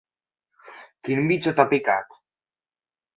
Quin bitxo t'ha picat?